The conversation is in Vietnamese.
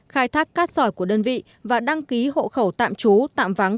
khai thác cát sỏi của đơn vị và đăng ký hộ khẩu tạm trú tạm vắng